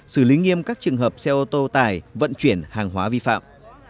xử lý nghiêm các trường hợp xe ô tô tải vận chuyển hàng hóa vi phạm